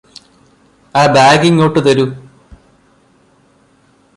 ആ ബാഗ് ഇങ്ങോട്ട് തരൂ